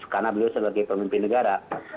karena beliau sebagai pemimpin negara